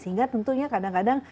sehingga tentunya kadang kadang